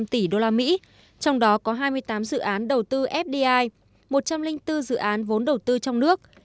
trong đó có hai mươi tám dự án đầu tư fdi một trăm linh bốn dự án vốn đầu tư trong nước